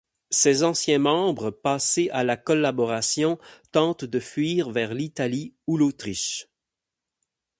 Ses anciens membres passés à la collaboration tentent de fuir vers l'Italie ou l'Autriche.